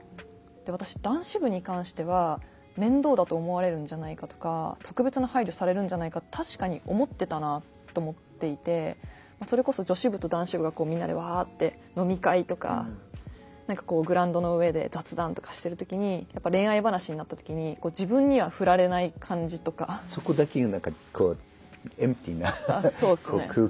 で私男子部に関しては面倒だと思われるんじゃないかとか特別な配慮されるんじゃないか確かに思ってたなと思っていてそれこそ女子部と男子部がみんなでわって飲み会とか何かこうグラウンドの上で雑談とかしてる時にでもそれって何かこう自分に振らないでください。